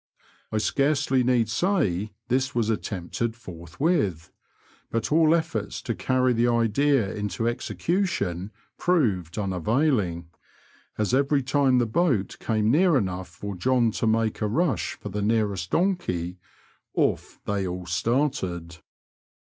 I scarcely need say this was attempted forthwith, but all efforts to carry the idea into execution proved unavailing, as every time the boat came near enough for John to make a rush for the nearest donkey, off they all started.